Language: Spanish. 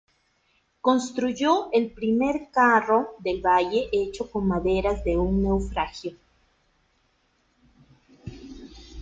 Construyó el primer carro del valle, hecho con maderas de un naufragio.